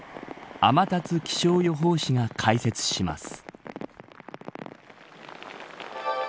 天達気象予報士が解説します。